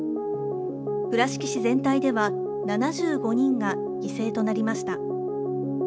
倉敷市全体では７５人が犠牲となりました。